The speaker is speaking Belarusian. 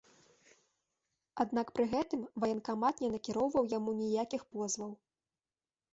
Аднак пры гэтым ваенкамат не накіроўваў яму ніякіх позваў.